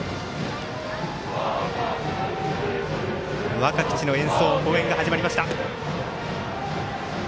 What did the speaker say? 「若き血」の演奏応援が始まりました。